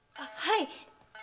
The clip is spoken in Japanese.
はい。